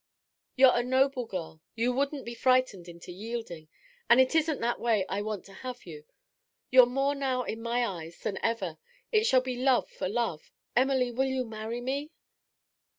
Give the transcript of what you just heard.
You're a noble girl. You wouldn't be frightened into yielding. And it isn't that way I want to have you. You're more now in my eyes than ever. It shall be love for love. Emily, you will marry me?'